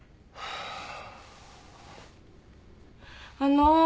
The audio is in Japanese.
あの。